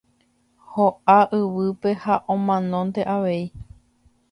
Ho'a yvýpe ha omanónte avei.